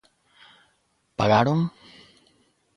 Pagaron?